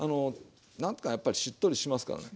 何かやっぱりしっとりしますからね。